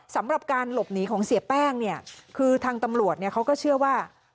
สำหรับการหลบหนีของเสียแป้งเนี่ยคือทางตำรวจเนี่ยเขาก็เชื่อว่า